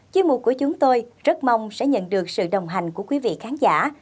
chuyên mục của chúng tôi rất mong sẽ nhận được sự đồng hành của quý vị khán giả